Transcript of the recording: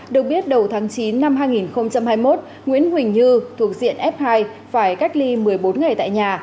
được biết đầu tháng chín năm hai nghìn hai mươi một nguyễn huỳnh như thuộc diện f hai phải cách ly một mươi bốn ngày tại nhà